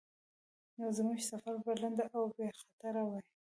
نو زموږ سفر به لنډ او بیخطره وای.